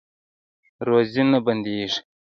روزي نه بندیږي